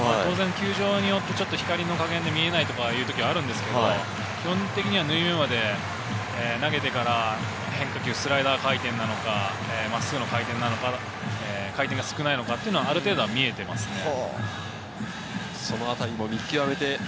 球場によって光の加減で見えないこともあるんですけれど、基本的には縫い目まで、投げてから変化球、スライダー回転なのか、真っ直ぐの回転なのか、回転が少ないのか、ある程度見えていますね。